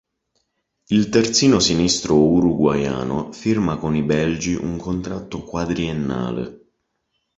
Il terzino sinistro uruguaiano firma con i belgi un contratto quadriennale.